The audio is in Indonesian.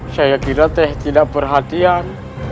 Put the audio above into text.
saya kira teh tidak perhatian